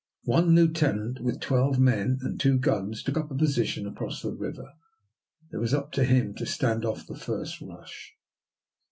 One lieutenant with twelve men and two guns took up a position across the river. It was up to him to stand off the first rush.